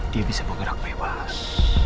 dia bisa bergerak bebas